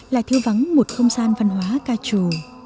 là thiêu vắng một không gian văn hóa ca chủ